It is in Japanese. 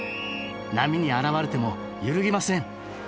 波に洗われても揺るぎません。